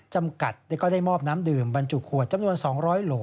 จำกัดก็ได้มอบน้ำดื่มบรรจุขวดจำนวน๒๐๐โหล